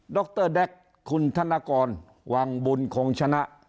รแด๊กคุณธนกรวังบุญคงชนะ